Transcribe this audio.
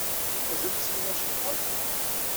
Mazal tessnem ad tceḍḥem?